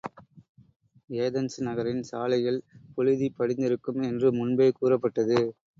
Athens நகரின் சாலைகள் புழுதி படிந்திருக்கும் என்று முன்பே கூறப்பட்டது.